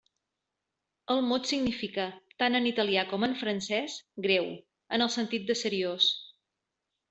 El mot significa -tant en italià com en francès- 'greu', en el sentit de seriós.